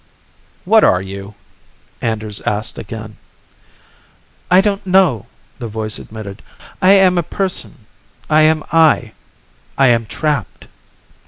"What are you?" Anders asked again. "I don't know," the voice admitted. "I am a person. I am I. I am trapped."